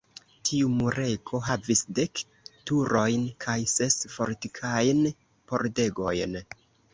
Tiu murego havis dek turojn kaj ses fortikajn pordegojn.